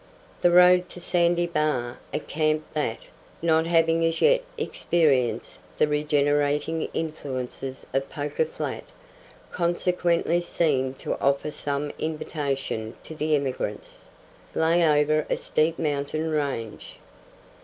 The road to Sandy Bar a camp that, not having as yet experienced the regenerating influences of Poker Flat, consequently seemed to offer some invitation to the emigrants lay over a steep mountain range.